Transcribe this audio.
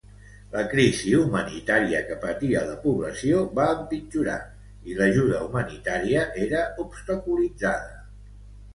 La crisi humanitària que patia la població va empitjorar, i l'ajuda humanitària era obstaculitzada.